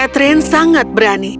catherine sangat berani